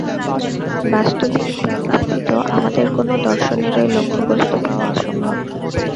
বাস্তবিক ত্যাগ ব্যতীত আমাদের কোন দর্শনেরই লক্ষ্য বস্তু পাওয়া অসম্ভব।